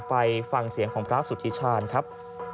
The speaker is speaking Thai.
ไปฟังเสียงของพระสุธิชาญครับ